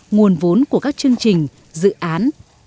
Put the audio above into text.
nguồn vốn của các chương trình dự án